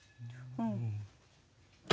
うん。